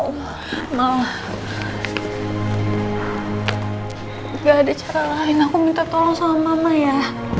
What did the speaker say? enggak ada cara lain aku minta tolong sama mama ya